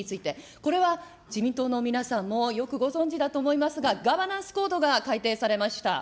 これは自民党の皆さんもよくご存じだと思いますが、ガバナンス・コードが改定されました。